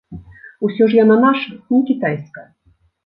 Усё ж яна наша, не кітайская.